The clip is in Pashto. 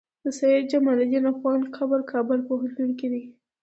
د سيد جمال الدين افغان قبر کابل پوهنتون کی دی